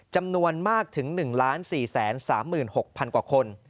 จำนวนมากถึง๑๔๓๖๐๐๐กว่าคน